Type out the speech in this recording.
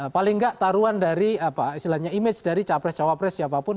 paling nggak taruhan dari apa istilahnya image dari capres cawapres siapapun